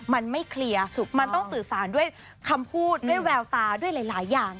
มันไม่เคลียร์มันต้องสื่อสารด้วยคำพูดด้วยแววตาด้วยหลายอย่าง